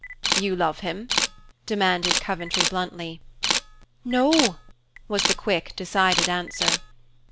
"You love him?" demanded Coventry bluntly. "No!" was the quick, decided answer.